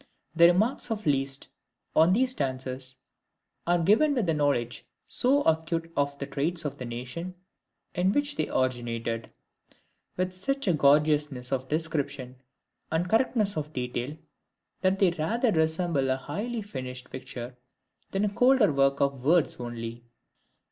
The remarks of Liszt on these dances are given with a knowledge so acute of the traits of the nation in which they originated, with such a gorgeousness of description and correctness of detail, that they rather resemble a highly finished picture, than a colder work of words only.